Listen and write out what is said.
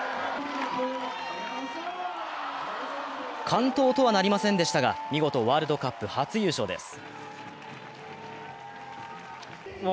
完登とはなりませんでしたが見事ワールドカップ初優勝です。